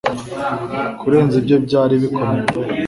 Kurenza ibye byari bikomeye pe